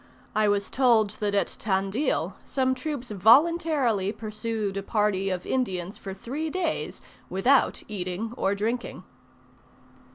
I was told that at Tandeel, some troops voluntarily pursued a party of Indians for three days, without eating or drinking.